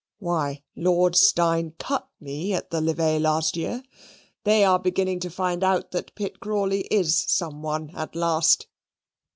Why, Lord Steyne cut me at the levee last year; they are beginning to find out that Pitt Crawley is some one at last.